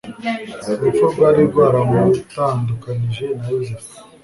Urupfu rwari rwaramutandukanije na Yosefu,